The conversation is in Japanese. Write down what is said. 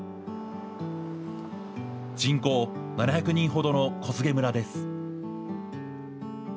人口７００人ほどの小菅村です。